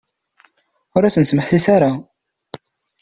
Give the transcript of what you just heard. Ur asen-smeḥsis ara.